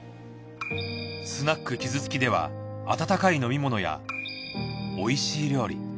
スナックキズツキでは温かい飲み物や美味しい料理。